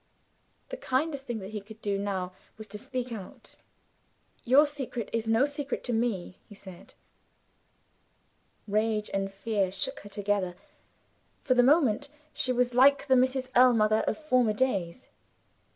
The kindest thing that he could do now was to speak out. "Your secret is no secret to me," he said. Rage and fear shook her together. For the moment she was like the Mrs. Ellmother of former days.